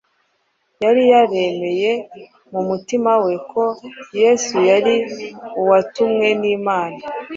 yari yaremeye mu mutima we ko Yesu yari Uwatumwe n’Imana.